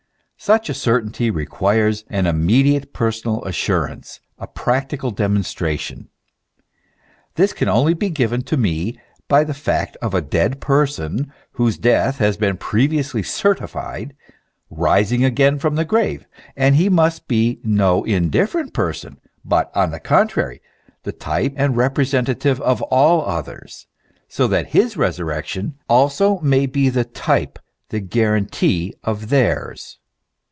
Such a certainty requires an im mediate personal assurance, a practical demonstration. This can only be given to me by the fact of a dead person, whose death has been previously certified, rising again from the grave ; and he must be no indifferent person, but on the contrary the type and representative of all others, so that his resurrection also may be the type, the guarantee of theirs.